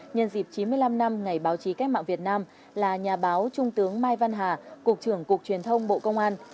nhân dịp chín mươi năm năm ngày báo chí cách mạng việt nam là nhà báo trung tướng mai văn hà cục trưởng cục truyền thông bộ công an